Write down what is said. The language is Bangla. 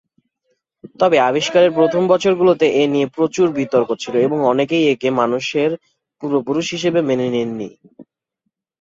তবে আবিষ্কারের প্রথম বছরগুলোতে এ নিয়ে প্রচুর বিতর্ক ছিল এবং অনেকেই একে মানুষের পূর্বপুরুষ হিসেবে মেনে নেন নি।